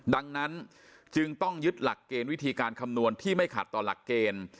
ดังนั้นจึงต้องยึดหลักเกณฑ์วิธีการคำนวณที่ไม่ขัดต่อหลักเกณฑ์